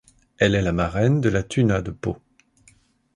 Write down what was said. Elle est la marraine de la tuna de Pau.